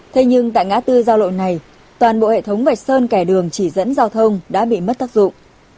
thế nhưng tại ngã tư giao lộ này toàn bộ hệ thống vạch sơn kẻ đường chỉ dẫn giao thông đã bị mất tác dụng